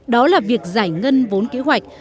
đó là việc giải ngân vốn kế hoạch